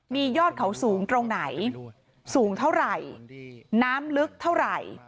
มียอดเขาสูงตรงไหนสูงเท่าไหร่น้ำลึกเท่าไหร่